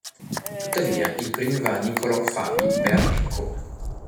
Tuttavia il premio va a Niccolò Fabi per "Ecco".